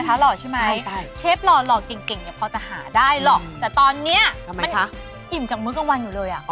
หาได้หรอกแต่ตอนเนี้ยทำไมคะมันอิ่มจากมื้อกะวันอยู่เลยอ่ะ